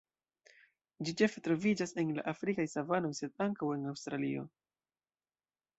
Ĝi ĉefe troviĝas en la afrikaj savanoj sed ankaŭ en Aŭstralio.